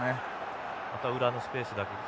あと裏のスペースだけ。